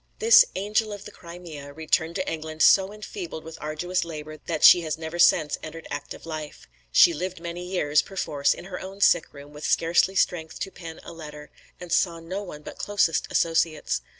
This "Angel of the Crimea" returned to England so enfeebled with arduous labour that she has never since entered active life. She lived many years, perforce, in her own sick room with scarcely strength to pen a letter, and saw no one but closest associates.